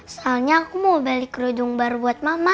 soalnya aku mau balik kerujung baru buat mama